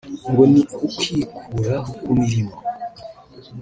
ngo ni ukwikura ku mirimo